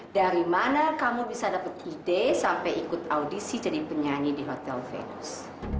dari mana kamu bisa dapat ide sampai ikut audisi jadi penyanyi di hotel venus